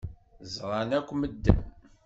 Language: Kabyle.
Ẓṛan akk medden.